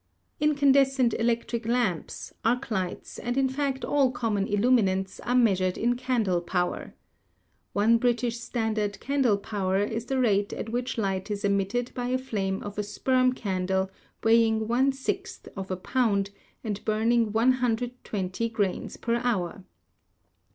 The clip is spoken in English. Incandescent electric lamps, arc lights and in fact all common illuminants are measured in candle power. One British standard candle power is the rate at which light is emitted by the flame of a sperm candle weighing 1 /a of a pound and burning 120 grains per hour.